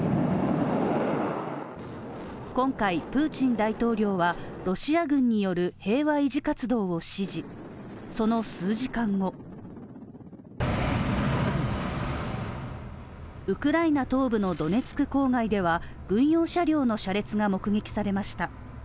今回、プーチン大統領はロシア軍による平和維持活動を指示、その数時間後ウクライナ東部のドネツク郊外では軍用車両の車列が目撃されました。